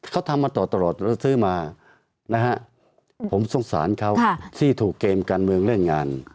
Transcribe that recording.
เขาทำมาตลอดแล้วซื้อมานะฮะผมสงสารเขาที่ถูกเกมการเมืองเรื่องงาน